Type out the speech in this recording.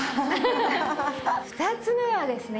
２つ目はですね